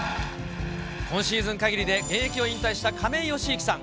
今シーズンかぎりで現役を引退した亀井善行さん。